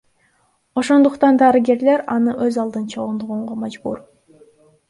Ошондуктан дарыгерлер аны өз алдынча оңдогонго мажбур.